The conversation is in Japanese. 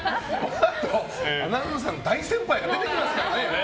あとでアナウンサーの大先輩が出てきますからね。